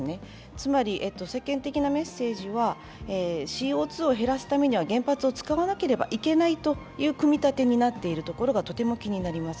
つまり世間的なメッセージはＣＯ２を減らすためには原発を使わなければいけないという組立になっていることがとても気になります。